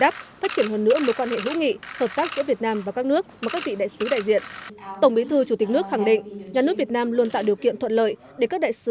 sau lễ trình quốc thư tổng bí thư chủ tịch nước nguyễn phú trọng đã tiếp các đại sứ